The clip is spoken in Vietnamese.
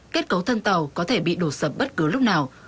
kết cấu thân tàu có thể bị đổ sập bất cứ lúc nào